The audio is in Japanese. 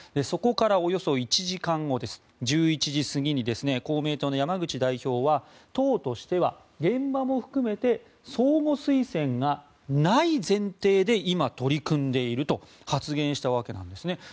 そこからおよそ１時間後１１時過ぎに公明党の山口代表は党としては現場も含めて相互推薦がない前提で今、取り組んでいると発言したわけなんですね。